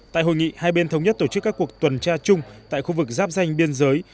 tại hội nghị hai bên thống nhất tổ chức các cuộc tuần tra chung tại khu vực giáp danh biên giới